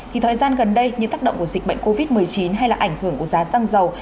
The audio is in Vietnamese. thì thời gian gần đây như tác động của dịch bệnh covid một mươi chín hay là ảnh hưởng của giá xăng dầu